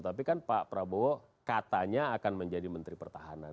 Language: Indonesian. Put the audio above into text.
tapi kan pak prabowo katanya akan menjadi menteri pertahanan